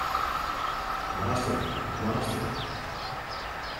The Master, the Master!